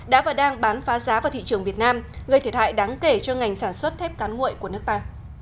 đã và đang bán phá giá vào thị trường việt nam gây thiệt hại đáng kể cho ngành sản xuất thép cán nguội của nước ta